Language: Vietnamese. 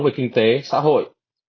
về kinh tế xã hội